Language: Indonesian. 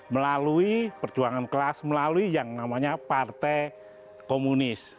melalui perjuangan kelas melalui yang namanya partai komunis